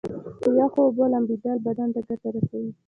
په یخو اوبو لمبیدل بدن ته ګټه رسوي.